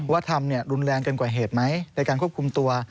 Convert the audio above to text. ทำรุนแรงเกินกว่าเหตุไหมในการควบคุมตัว